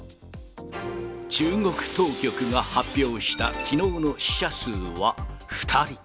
中国当局が発表した、きのうの死者数は２人。